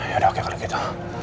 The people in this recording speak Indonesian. yaudah oke kali gitu